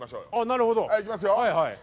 なるほど。いきますよ。